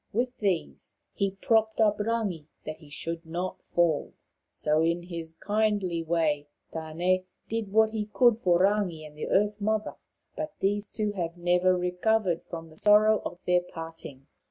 With these he propped up Rangi that he should not fall. So in his kindly way Tane did what he could for Rangi and the Earth mother. But these two have never recovered from the sorrow of their parting.